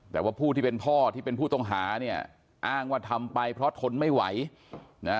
แต่ว่าผู้ที่เป็นพ่อที่เป็นผู้ต้องหาเนี่ยอ้างว่าทำไปเพราะทนไม่ไหวนะ